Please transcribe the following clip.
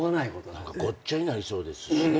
ごっちゃになりそうですしね